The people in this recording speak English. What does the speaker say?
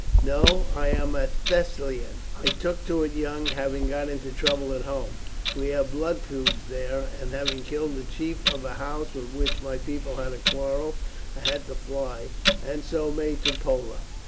"No, I am a Thessalian. I took to it young, having got into trouble at home. We have blood feuds there, and having killed the chief of a house with which my people had a quarrel I had to fly, and so made to Pola.